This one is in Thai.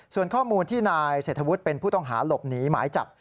ส่วนข้อมูลที่นายเศรษฐวุฒิเป็นผู้ต้องหาหลบหนีหมายจับ